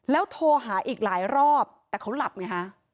โทรหาอีกหลายรอบแต่เขาหลับไงฮะ